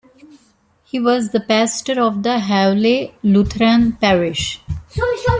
He was the pastor of the Hawley Lutheran Parish.